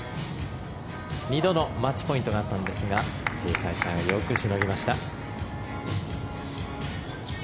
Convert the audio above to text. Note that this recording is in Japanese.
２度のマッチポイントがあったんですがテイ・サイサイはよくしのぎました。